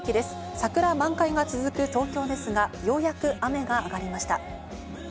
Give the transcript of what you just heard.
桜満開が続く東京ですが、ようやく雨があがりました。